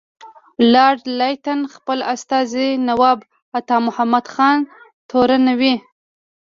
لارډ لیټن خپل استازی نواب عطامحمد خان تورنوي.